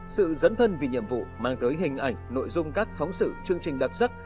sự dấn thân vì nhiệm vụ mang tới hình ảnh nội dung các phóng sự chương trình đặc sắc